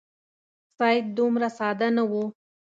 سید دومره ساده نه وو.